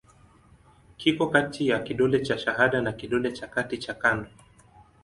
Kiko kati ya kidole cha shahada na kidole cha kati cha kando.